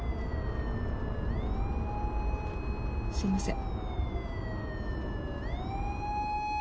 すいません。